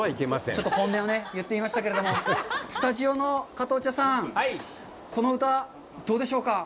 ちょっと本音を言ってみましたけど、スタジオの加藤茶さん、この歌、どうでしょうか。